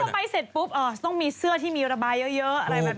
แล้วก็ไปเสร็จเปล่าต้องมีเสื้อที่เรื่องละบายเยอะ